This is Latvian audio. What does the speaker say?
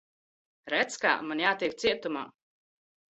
Redz, kā. Man jātiek cietumā.